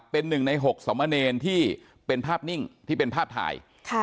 เป็น๑ใน๖สำเน็นที่เป็นภาพนิ่งที่เป็นภาพถ่าย